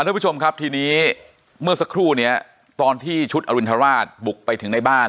ทุกผู้ชมครับทีนี้เมื่อสักครู่เนี่ยตอนที่ชุดอรินทราชบุกไปถึงในบ้าน